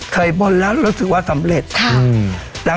เคยบ่นแล้วรู้สึกว่าสำเร็จครับ